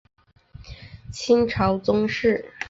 清朝宗室。